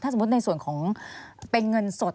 สมมุติในส่วนของเป็นเงินสด